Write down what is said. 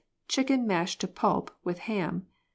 Chicken mashed to pulp, with ham.